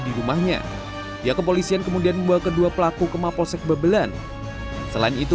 di rumahnya ya kepolisian kemudian membawa kedua pelaku ke mapolsek bebelan selain itu